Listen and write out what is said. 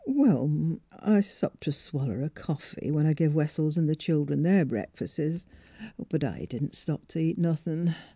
" Well'm, I supped a swaller o' coffee when I give Wessels an' the childern their breakfas'es; but I didn't stop to t' eat nothin'.